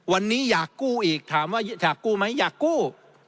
วันนี้อยากกู้อีกถามว่าอยากกู้ไหมอยากกู้